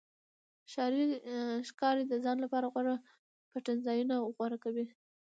ښکاري د ځان لپاره غوره پټنځایونه غوره کوي.